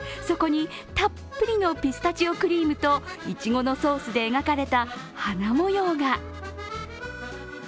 そこにたっぷりのピスタチオクリームといちごのソースで描かれた花模様が。